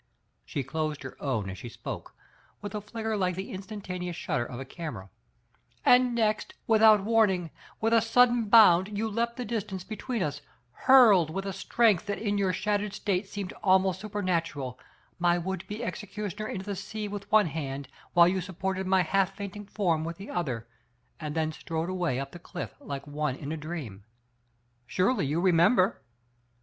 [she closed her own as she spoke, with a flicker like the instantaneous shut ter of a camera] and next, without warning, with a sudden bound you leapt the distance between us, hurled, with a strength that in your shattered state seemed almost supernatural, my would be executioner into the sea with one hand, while you supported my half fainting form with the other, and then strode away up the cliff like one in a dream. Surely you remember?"